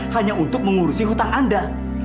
hanya untuk mengurusi hutang anda